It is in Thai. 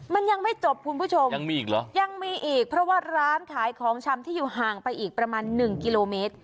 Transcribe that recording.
มันยังไม่จบคุณผู้ชมยังมีอีกเหรอยังมีอีกเพราะว่าร้านขายของชำที่อยู่ห่างไปอีกประมาณหนึ่งกิโลเมตร